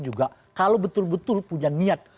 juga kalau betul betul punya niat